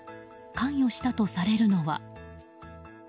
関与したとされるのは。